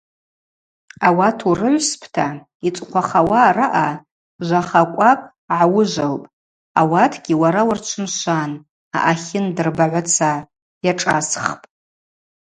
Ауат урыгӏвспӏта, йцӏыхъвахауа араъа жвахакӏвакӏ гӏауыжвылпӏ, ауатгьи уара уырчвымшван, аъатлын дырбагӏваца – йашӏасхпӏ.